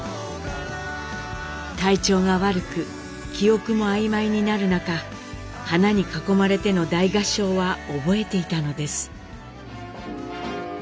体調が悪く記憶も曖昧になる中花に囲まれての大合唱は覚えていたのです。